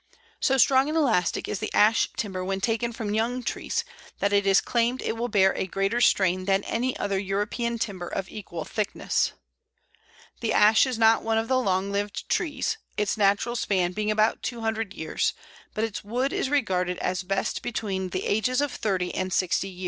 So strong and elastic is the Ash timber when taken from young trees, that it is claimed it will bear a greater strain than any other European timber of equal thickness. The Ash is not one of the long lived trees, its natural span being about two hundred years, but its wood is regarded as best between the ages of thirty and sixty years.